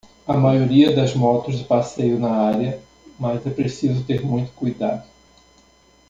A maioria das motos de passeio na área, mas é preciso ter muito cuidado.